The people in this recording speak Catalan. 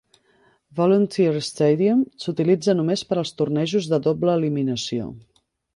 Volunteer Stadium s'utilitza només per als tornejos de doble eliminació.